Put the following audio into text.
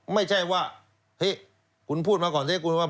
ไม่ใช่ว่าเฮ้ยคุณพูดมาก่อนสิคุณว่า